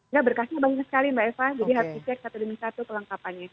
nah berkasnya banyak sekali mbak eva jadi harus di check satu demi satu kelengkapannya